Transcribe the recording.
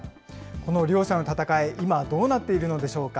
この両者の戦い、今、どうなっているのでしょうか。